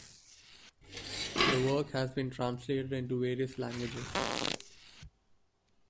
The work has been translated into various languages.